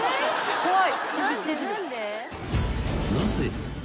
怖い！